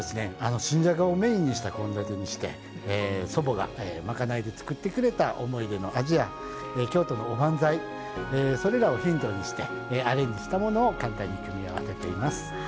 新じゃがをメインにした献立にして祖母が賄いで作ってくれた思い出の味や京都のおばんざいそれらをヒントにしてアレンジしたものを簡単に組み合わせています。